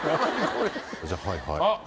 じゃあはいはい。